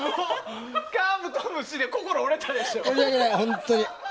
「カブトムシ」で心折れたでしょ？